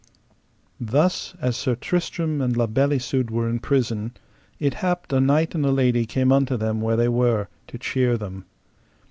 Thus as Sir Tristram and La Beale Isoud were in prison, it happed a knight and a lady came unto them where they were, to cheer them.